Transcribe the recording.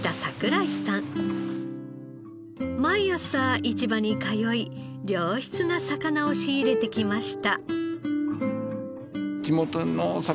毎朝市場に通い良質な魚を仕入れてきました。